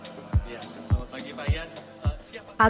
selamat pagi pak ian